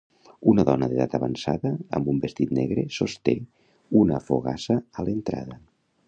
Una dona d'edat avançada amb un vestit negre sosté una fogassa a l'entrada.